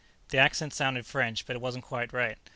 The accent sounded French, but it wasn't quite right.